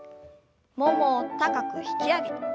ももを高く引き上げて。